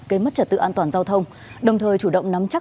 gây mất trật tự an toàn giao thông đồng thời chủ động nắm chắc